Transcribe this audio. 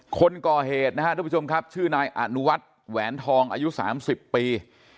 คนก่อเหตุนะครับทุกผู้ชมครับชื่อนายอนุวัฒน์แหวนทองอายุ๓๐ปี